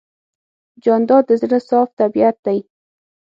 جانداد د زړه صاف طبیعت دی.